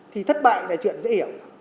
thì thất bại là chuyện dễ hiểu